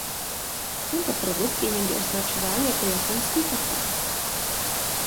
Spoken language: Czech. Tento produkt je někdy označován jako „japonský kafr“.